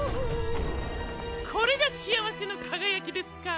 これが「しあわせのかがやき」ですか。